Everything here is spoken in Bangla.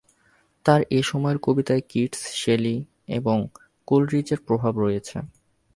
তাঁর এই সময়ের কবিতায় কিটস, শেলি এবং কোলরিজের প্রভাব রয়েছে।